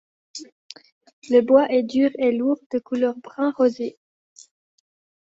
Le bois est dur et lourd, de couleur brun rosé.